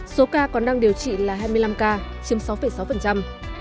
số ca còn đang điều trị là hai mươi năm ca chiếm sáu sáu